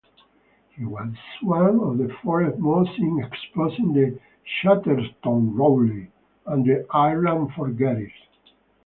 He was one of the foremost in exposing the Chatterton-Rowley and the Ireland forgeries.